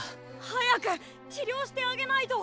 早く治療してあげないと。